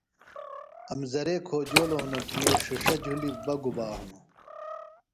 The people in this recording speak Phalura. امزرے کھوجولوۡ ہنوۡ کیۡ ݜِݜہ جُھلیۡ بہ گُبا ہنوۡ